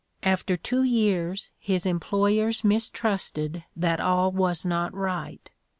After two years his employers mistrusted that all was not right.